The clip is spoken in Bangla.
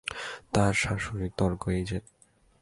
তার শাশুড়ির তর্ক এই যে।